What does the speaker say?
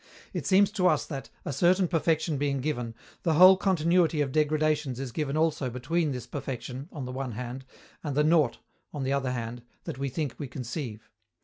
It seems to us that, a certain perfection being given, the whole continuity of degradations is given also between this perfection, on the one hand, and the nought, on the other hand, that we think we conceive.